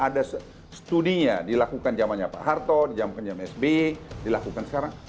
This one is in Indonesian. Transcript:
ada studinya dilakukan jamannya pak harto jamannya sbi dilakukan sekarang